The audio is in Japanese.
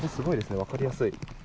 分かりやすい。